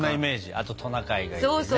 あとトナカイがいてね。